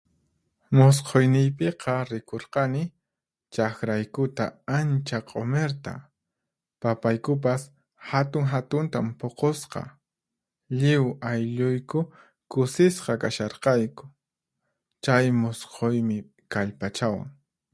Musqhuyniypiqa rikurqani chaqraykuta ancha q'umirta, papaykupas hatun-hatuntan puqusqa. Lliw aylluyku kusisqa kasharqayku. Chay musqhuymi kallpachawan.